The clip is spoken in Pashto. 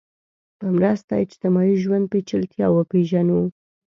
په مرسته اجتماعي ژوند پېچلتیا وپېژنو